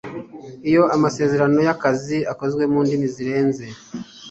Iyo amaseserano y akazi akozwe mu ndimi zirenze